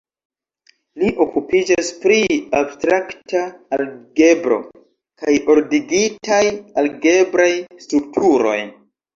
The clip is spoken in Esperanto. Li okupiĝas pri abstrakta algebro kaj ordigitaj algebraj strukturoj.